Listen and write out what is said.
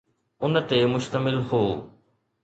ان تي مشتمل هو